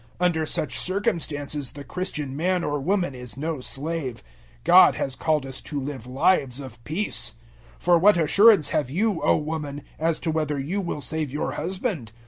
Under such circumstances the Christian man or woman is no slave; God has called us to live lives of peace. 007:016 For what assurance have you, O woman, as to whether you will save your husband?